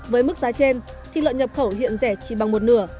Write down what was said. với mức giá trên thịt lợn nhập khẩu hiện rẻ chỉ bằng một nửa